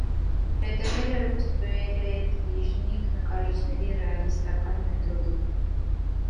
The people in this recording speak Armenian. Հետևել է ռուս պերեդվիժնիկ նկարիչների ռեալիստական մեթոդին։